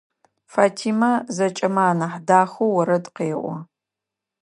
Фатима зэкӏэмэ анахь дахэу орэд къеӏо.